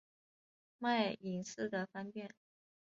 卖隐私得方便